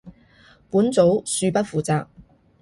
本組恕不負責